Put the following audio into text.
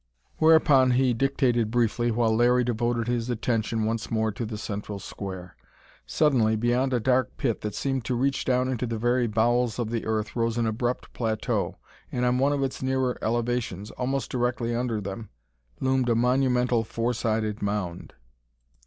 Whereupon he dictated briefly, while Larry devoted his attention once more to the central square. Suddenly, beyond a dark pit that seemed to reach down into the very bowels of the earth, rose an abrupt plateau and on one of its nearer elevations, almost directly under then, loomed a monumental four sided mound.